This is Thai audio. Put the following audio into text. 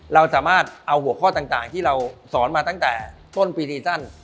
เราสามารถเอาหัวข้อต่างที่เราสอนมาตั้งแต่ต้นปีสั้น